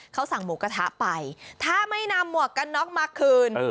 เขาสั่งหมูกระทะไปถ้าไม่นำหมวกกันน็อกมาคืน